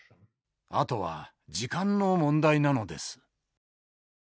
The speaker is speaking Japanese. あとは時間の問題なのです。